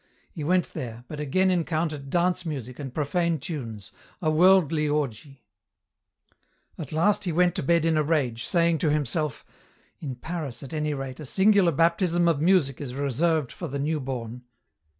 He went there, but again encountered dance music and profane tunes, a worldly orgie. At last he went to bed in a rage, saying to himself, "In Paris, at any rate, a singular baptism of music is reserved for the New Born."